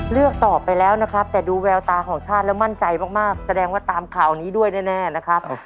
เลือกตอบไปแล้วนะครับแต่ดูแววตาของชาติแล้วมั่นใจมากแสดงว่าตามข่าวนี้ด้วยแน่นะครับ